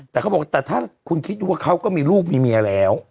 แต่เขาบอกแต่ถ้าคุณคิดดูว่าเขาก็มีลูกมีเมียแล้ว